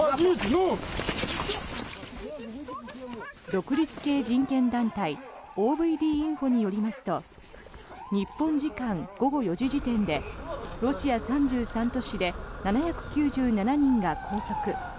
独立系人権団体ＯＶＤインフォによりますと日本時間午後４時時点でロシア３３都市で７９７人が拘束。